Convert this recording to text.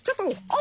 あ！